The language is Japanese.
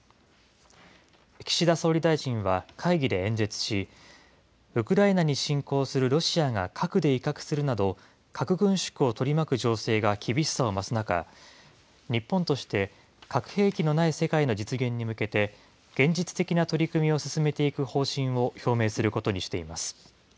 岸田総理大臣は会議で演説し、ウクライナに侵攻するロシアが核で威嚇するなど、核軍縮を取り巻く情勢が厳しさを増す中、日本として、核兵器のない世界の実現に向けて、現実的な取り組みを進めていく方針を表明することにしています。